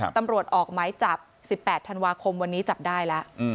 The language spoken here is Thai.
ตำรวจออกหมายจับ๑๘ธันวาคมวันนี้จับได้แล้ว